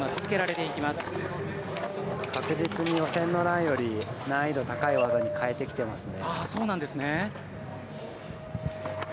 確実に予選のランより難易度高い技に変えてきていますね。